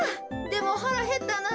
でもはらへったな。